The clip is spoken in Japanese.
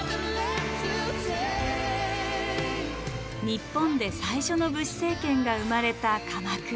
日本で最初の武士政権が生まれた鎌倉。